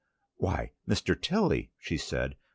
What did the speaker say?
"Why, Mr. Tilly!" she said.